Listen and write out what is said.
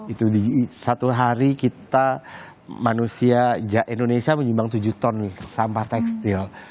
itu di satu hari kita manusia indonesia menyumbang tujuh ton nih sampah tekstil